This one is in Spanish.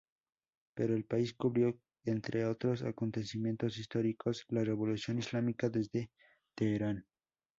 Para El País cubrió, entre otros acontecimientos históricos, la Revolución Islámica desde Teherán.